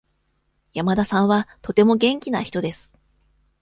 山田さんはとても元気な人です。